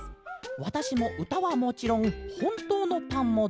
わたしもうたはもちろんほんとうのパンもだいすきです。